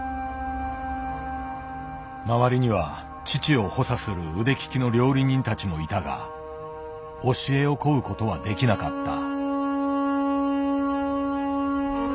周りには父を補佐する腕利きの料理人たちもいたが教えを請うことはできなかった。